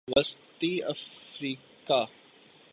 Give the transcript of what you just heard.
وسطی افریقہ